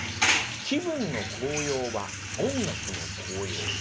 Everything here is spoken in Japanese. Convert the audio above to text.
「気分の高揚は音楽の効用？」